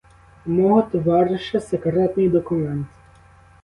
У мого товариша секретний документ!